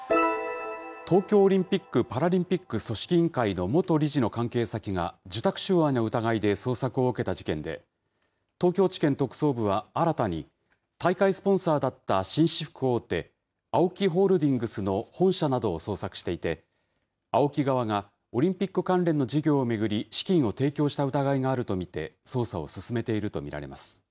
東京オリンピック・パラリンピック組織委員会の元理事の関係先が受託収賄の疑いで捜索を受けた事件で、東京地検特捜部は新たに、大会スポンサーだった紳士服大手、ＡＯＫＩホールディングスの本社などを捜索していて、ＡＯＫＩ側が、オリンピック関連の事業を巡り、資金を提供した疑いがあると見て、捜査を進めていると見られます。